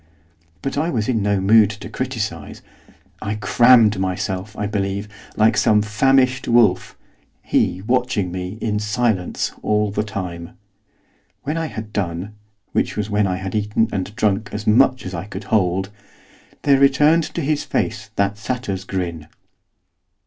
But I was in no mood to criticise; I crammed myself, I believe, like some famished wolf, he watching me, in silence, all the time. When I had done, which was when I had eaten and drunk as much as I could hold, there returned to his face that satyr's grin.